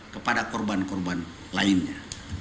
kepada korban korban lainnya